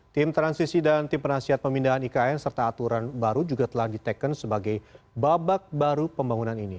tim transisi dan tim penasihat pemindahan ikn serta aturan baru juga telah diteken sebagai babak baru pembangunan ini